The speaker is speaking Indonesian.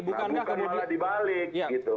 bukan malah dibalik